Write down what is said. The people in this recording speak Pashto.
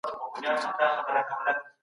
د کندهار صنعت کي د کیفیت کنټرول څنګه کېږي؟